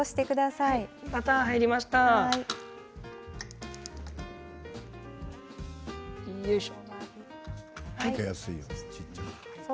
よいしょ。